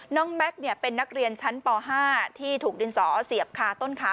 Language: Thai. แม็กซ์เป็นนักเรียนชั้นป๕ที่ถูกดินสอเสียบคาต้นขา